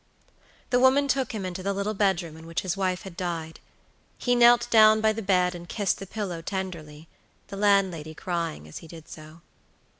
The woman took him into the little bedroom in which his wife had died. He knelt down by the bed and kissed the pillow tenderly, the landlady crying as he did so.